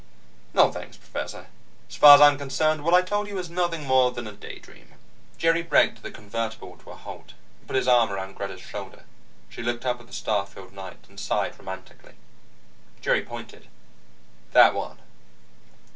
No, thanks, Professor. As far as I'm concerned, what I told you was nothing more than a daydream." Jerry braked the convertible to a halt, and put his arm around Greta's shoulder. She looked up at the star filled night, and sighed romantically. Jerry pointed. "That one."